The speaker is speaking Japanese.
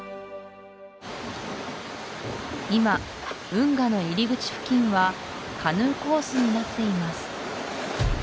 今運河の入り口付近はカヌーコースになっています